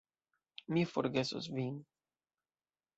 Mi forgesos vin.